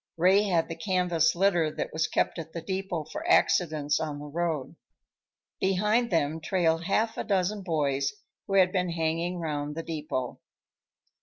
Ray had the canvas litter that was kept at the depot for accidents on the road. Behind them trailed half a dozen boys who had been hanging round the depot.